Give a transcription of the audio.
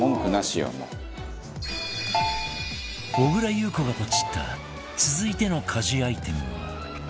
小倉優子がポチった続いての家事アイテムは